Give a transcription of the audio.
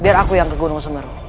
biar aku yang ke gunung semeru